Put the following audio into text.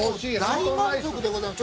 ◆大満足でございます。